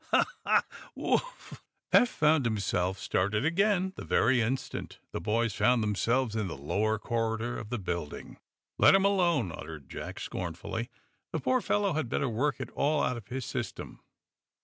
Haw haw! Woof!" Eph found himself started again, the very instant the boys found themselves in the lower corridor of the building. "Let him alone," uttered Jack, scornfully. "The poor fellow had better work it all out of his system."